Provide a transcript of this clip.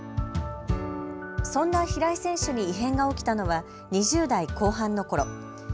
そんな平井選手に異変が起きたのは２０代後半のころ。